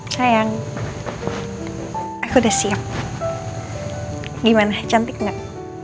sayang aku udah siap gimana cantik gak